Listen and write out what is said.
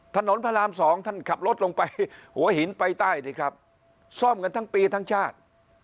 ถนนพระรามสองท่านขับรถลงไปหัวหินไปใต้สิครับซ่อมกันทั้งปีทั้งชาติ